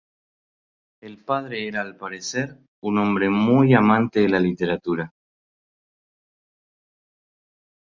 El padre era al parecer un hombre muy amante de la literatura.